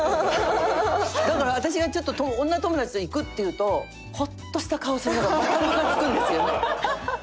だから私がちょっと女友達と行くって言うとホッとした顔をするのがまたムカつくんですよね。